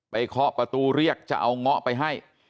เคาะประตูเรียกจะเอาเงาะไปให้